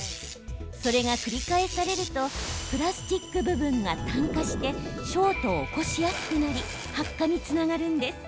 それが繰り返されるとプラスチック部分が炭化してショートを起こしやすくなり発火につながるんです。